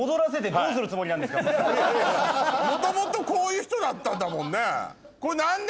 元々こういう人だったんだもんね。